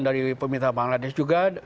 dari pemerintah bangladesh juga